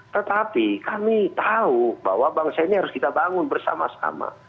tetapi kami tahu bahwa bangsa ini harus kita bangun bersama sama